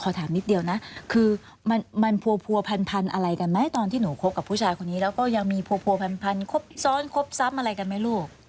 ถามนิดเดียวนะคือมันผัวพันอะไรกันไหมตอนที่หนูคบกับผู้ชายคนนี้แล้วก็ยังมีผัวพันครบซ้อนครบซ้ำอะไรกันไหมลูก